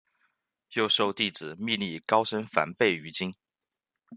又授弟子觅历高声梵呗于今。